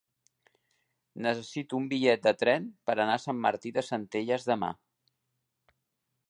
Necessito un bitllet de tren per anar a Sant Martí de Centelles demà.